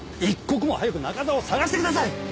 一刻も早く中沢を探してください。